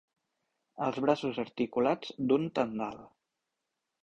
Els braços articulats d'un tendal.